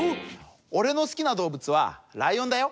おれのすきなどうぶつはライオンだよ。